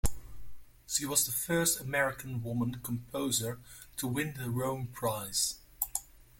She was the first American woman composer to win the Rome Prize.